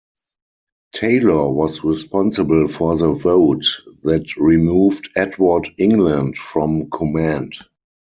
Taylor was responsible for the vote that removed Edward England from command.